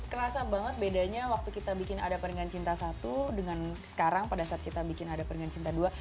kerasa banget bedanya waktu kita bikin ada peringan cinta satu dengan sekarang pada saat kita bikin ada peringan cinta dua